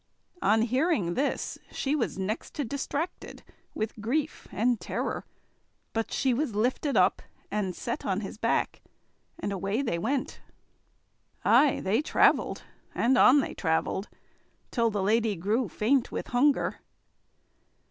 On hearing this she was next to distracted with grief and terror; but she was lifted up and set on his back, and away they went. Aye they travelled, and on they travelled, till the lady grew faint with hunger.